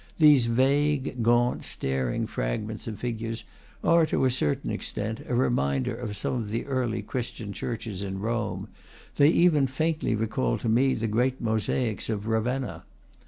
These vague, gaunt, staring fragments of figures are, to a certain extent, a reminder of some of the early Christian churches in Rome; they even faintly recalled to me the great mosaics of Ravenna.